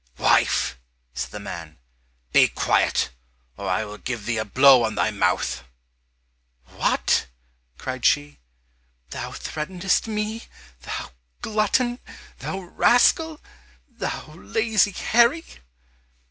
"Wife," said the man, "be quiet, or I will give thee a blow on thy mouth!" "What!" cried she, "thou threatenest me, thou glutton, thou rascal, thou lazy Harry!"